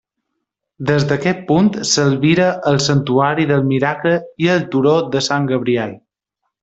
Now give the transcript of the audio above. Des d'aquest punt s'albira el santuari del Miracle i el turó de Sant Gabriel.